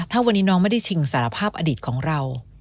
ถ้าวันนี้น้องไม่ได้ชิงสารภาพอดีตของเรา